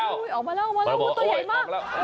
ออกมาแล้วมันตัวใหญ่มาก